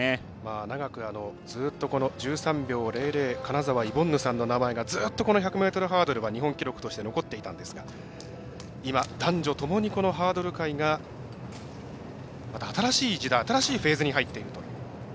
長くずっとこの１３秒００金沢イボンヌさんの名前がずっと１００ｍハードルは日本記録として残っていたんですが今、男女ともにこのハードル界がまた新しい時代新しいフェーズに入っていると。